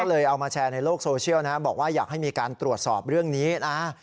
เอามาแชร์ในโลกโซเชียลนะบอกว่าอยากให้มีการตรวจสอบเรื่องนี้นะ